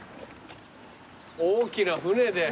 大きな船で。